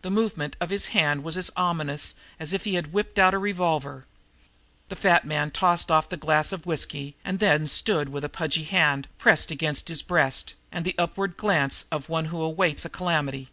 The movement of his hand was as ominous as if he had whipped out a revolver. The fat man tossed off the glass of whisky and then stood with a pudgy hand pressed against his breast and the upward glance of one who awaits a calamity.